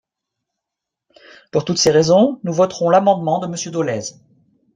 Pour toutes ces raisons, nous voterons l’amendement de Monsieur Dolez.